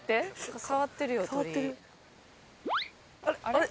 あれ？